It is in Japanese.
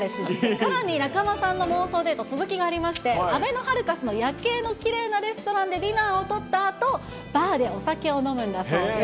さらに中間さんの妄想デート、続きがありまして、あべのハルカスの夜景のきれいなレストランでディナーをとったあと、バーでお酒を飲むんだそうです。